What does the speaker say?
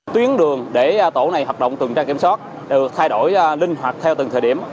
tuyến đường để tổ này hoạt động tuần tra kiểm soát được thay đổi linh hoạt theo từng thời điểm